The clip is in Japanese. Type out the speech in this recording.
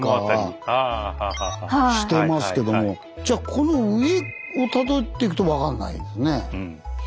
してますけどもじゃこの上をたどっていくと分かんないですね。